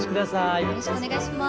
よろしくお願いします。